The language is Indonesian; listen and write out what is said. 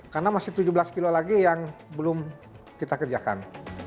karena masih tujuh belas kilo lagi yang belum kita kerjakan